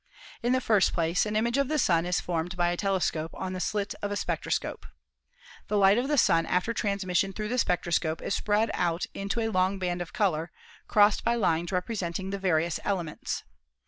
In the first place, an image of the Sun is formed by a telescope on the slit of a spectroscope. The light of the Sun after transmission through the spectroscope is spread out into a long band of color, crossed by lines representing the vari ous elements.